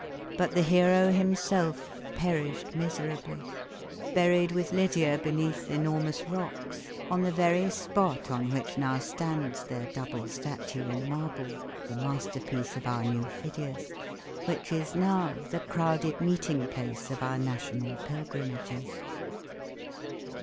But the hero himself perished miserably, buried with Lydia beneath enormous rocks on the very spot on which now stands their double statue in marble, the masterpiece of our new Phidias, which is now the crowded meeting place of our national pilgrimages.